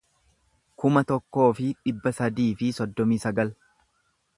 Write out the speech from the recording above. kuma tokkoo fi dhibba sadii fi soddomii sagal